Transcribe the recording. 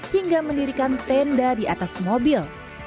hingga mendirikan tenda di atas mobil